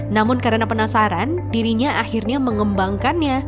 namun karena penasaran dirinya akhirnya mengembangkannya